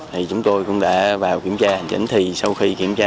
thì chúng tôi cũng đã vào kiểm tra hành chính thì sau khi kiểm tra